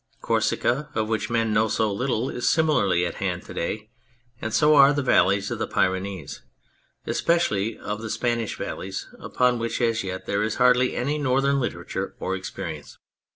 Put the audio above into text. Corsica, of which men know so little, is similarly at hand to day, and so are the Valleys of the Pyrenees, especially of the Spanish valleys upon which as yet there is hardly any Northern literature or experience.